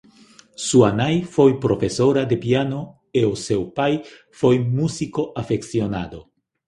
Súa nai foi profesora de piano e seu pai foi músico afeccionado.